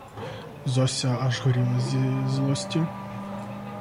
Зося аж горіла зі злости.